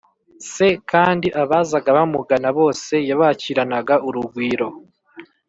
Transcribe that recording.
c kandi abazaga bamugana bose yabakiranaga urugwiro